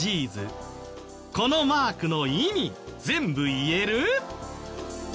このマークの意味全部言える？